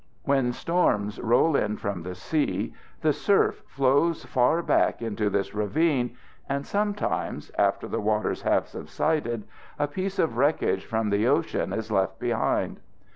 When storms roll in from the sea the surf flows far back into this ravine, and sometimes after the waters have subsided a piece of wreckage from the ocean is left behind.